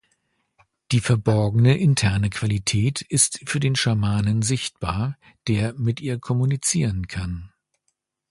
Die verborgene interne Qualität ist für den Schamanen sichtbar, der mit ihr kommunizieren kann.